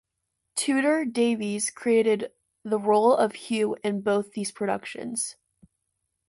Tudor Davies created the role of Hugh in both these productions.